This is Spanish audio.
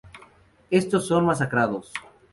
Estos son masacrados.